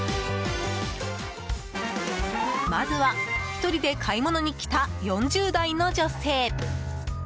まずは、１人で買い物に来た４０代の女性。